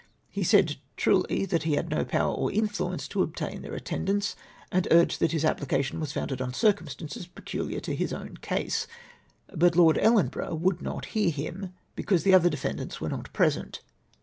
He said truly that he had no power or influence to obtain their attendance, and urged that his application was founded on circumstances peculiar to his own case. But Lord Ellenborough would not hear him, because the other defendants were not present.